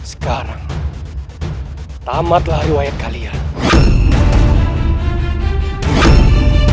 sekarang tamatlah riwayat kalian